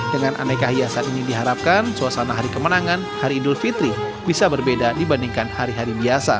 dengan aneka hiasan ini diharapkan suasana hari kemenangan hari idul fitri bisa berbeda dibandingkan hari hari biasa